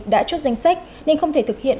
đã chốt danh sách nên không thể thực hiện